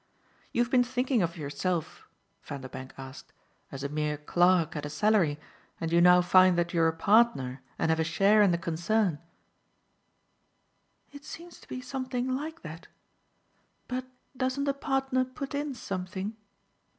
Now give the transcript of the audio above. "You've been thinking of yourself," Vanderbank asked, "as a mere clerk at a salary, and you now find that you're a partner and have a share in the concern?" "It seems to be something like that. But doesn't a partner put in something?